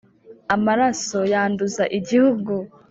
Amaraso yanduza igihugu